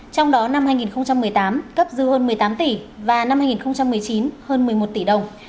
trong đó năm hai nghìn một mươi tám cấp dư hơn một mươi tám tỷ và năm hai nghìn một mươi chín hơn một mươi một tỷ đồng